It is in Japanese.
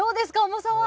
重さは。